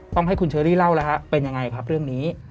ต้องให้คุณเชอรี่เล่าแล้วฮะเป็นยังไงครับเรื่องนี้